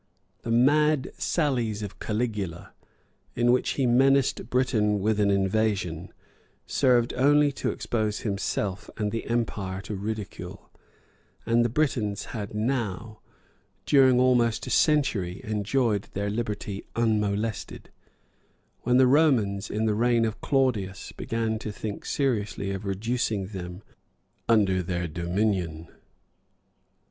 [*][* Tacit. Agr.] The mad sallies of Caligula, in which he menaced Britain with an invasion, served only to expose himself and the empire to ridicule; and the Britons had now, during almost a century, enjoyed their liberty unmolested, when the Romans, in the reign of Claudius, began to think seriously of reducing them under their dominion.